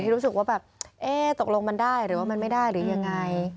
ที่รู้สึกว่าตกลงมันได้หรือว่าไม่ได้หรือยังไง